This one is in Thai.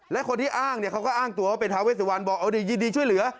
และคนที่อ้างเขาก็อ้างตัวว่าเป็นท้าเวสวรรค์บอกว่ายินดีช่วยเหลือ